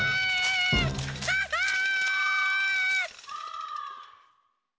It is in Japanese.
ハハー！